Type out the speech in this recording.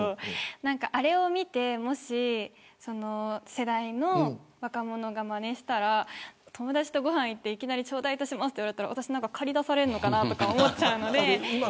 あれを見て世代の若者がまねしたら友達とご飯に行っていきなり頂戴いたしますと言われたら私、借り出されるのかなと思っちゃうので。